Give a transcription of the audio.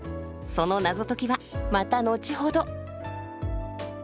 その謎解きはまた後ほど。